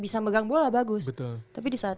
bisa megang bola bagus betul tapi disaat